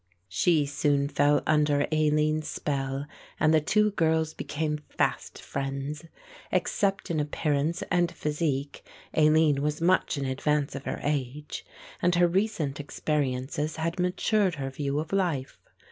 She soon fell under Aline's spell and the two girls became fast friends. Except in appearance and physique Aline was much in advance of her age; and her recent experiences had matured her view of life.